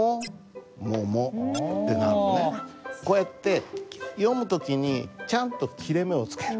こうやって読む時にちゃんと切れ目をつける。